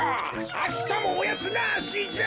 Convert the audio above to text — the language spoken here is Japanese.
あしたもおやつなしじゃ！